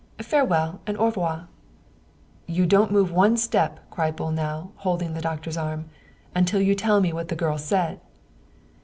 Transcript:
Farewell and au revoir !"" You don't move one step," cried Bolnau, holding the doctor's arm, " until you tell me what it was the girl said."